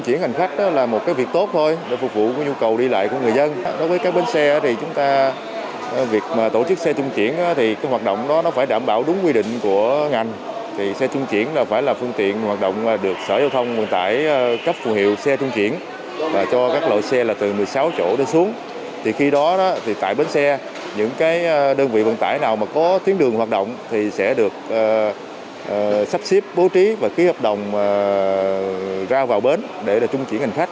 để kịp thời phục vụ nhu cầu đi lại tăng cao trong dịp cuối năm và tết nguyên đáng hai nghìn hai mươi ba